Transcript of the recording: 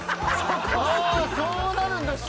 そうなるんだ下。